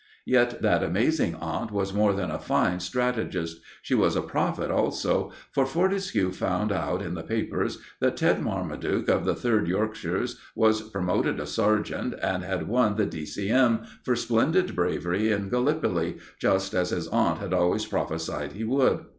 Yet that amazing aunt was more than a fine strategist; she was a prophet also, for Fortescue found out in the papers that Ted Marmaduke, of the 3rd Yorkshires, was promoted a sergeant, and had won the D.C.M. for splendid bravery in Gallipoli, just as his aunt had always prophesied he would.